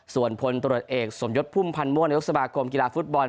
ส่วนพลตรวจเอกสมยศพุ่มพันธ์มั่วนายกสมาคมกีฬาฟุตบอล